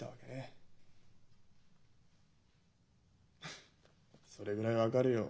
フッそれぐらい分かるよ。